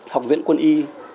học viện quân y